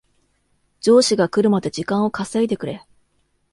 上司が来るまで時間を稼いでくれ